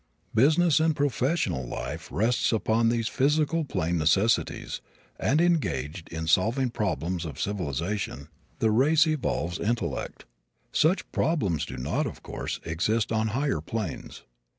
Business and professional life rests upon these physical plane necessities and, engaged in solving the problems of civilization, the race evolves intellect. Such problems do not, of course, exist on higher planes.